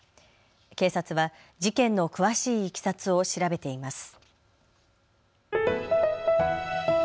警察は事件の詳しいいきさつを調べています。